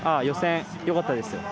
予選、よかったです。